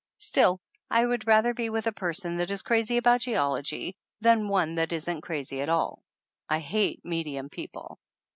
Still, I would rather be with a person that is crazy about geology than one that isn't crazy at all. I hate medium people.